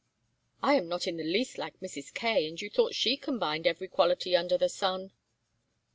"I am not in the least like Mrs. Kaye, and you thought she combined every quality under the sun."